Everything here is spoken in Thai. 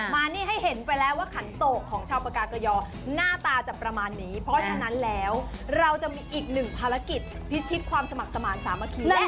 มานี่ให้เห็นไปแล้วว่าขันโตกของชาวปากาเกยอหน้าตาจะประมาณนี้เพราะฉะนั้นแล้วเราจะมีอีกหนึ่งภารกิจพิชิตความสมัครสมาธิสามัคคี